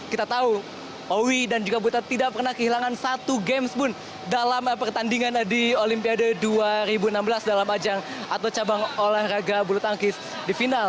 kita tahu owi dan juga buta tidak pernah kehilangan satu games pun dalam pertandingan di olimpiade dua ribu enam belas dalam ajang atau cabang olahraga bulu tangkis di final